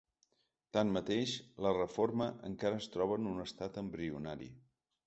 Tanmateix, la reforma encara es troba en un estat embrionari.